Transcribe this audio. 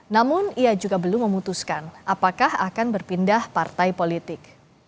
namun ia juga belum memutuskan apakah akan berpindah partai politik